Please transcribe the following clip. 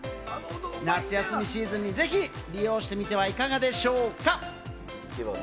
夏休みシーズンにぜひ利用してみてはいかがでしょうか？